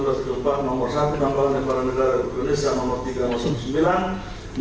tambahan lembaga negara republik indonesia no tiga no sembilan